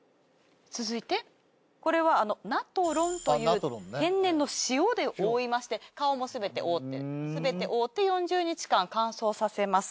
続いてこれはナトロンという天然の塩で覆いまして顔もすべて覆って４０日間乾燥させます。